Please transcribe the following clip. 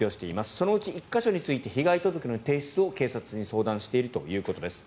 そのうち１か所について被害届の提出を警察に相談しているということです。